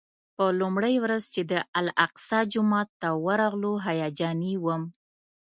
په لومړۍ ورځ چې د الاقصی جومات ته ورغلو هیجاني وم.